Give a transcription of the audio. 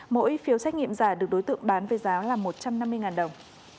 mỗi phiếu xét nghiệm giả được đối tượng bán với giá là một trăm năm mươi đồng